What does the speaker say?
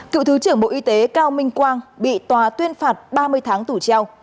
cựu thứ trưởng bộ y tế cao minh quang bị tòa tuyên phạt ba mươi tháng tù treo